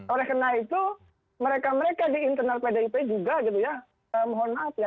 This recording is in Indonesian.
oleh karena itu mereka mereka di internal pdip juga gitu ya mohon maaf ya